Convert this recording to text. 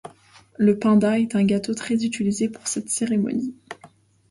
Le pinda est un gâteau très utilisé pour cette cérémonie.